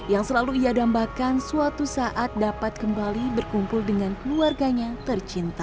yang selalu ia dambakan suatu saat dapat kembali berkumpul dengan keluarganya tercinta